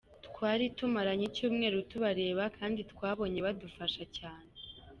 Twari tumaranye icyumweru tubareba kandi twabonye badufasha cyane.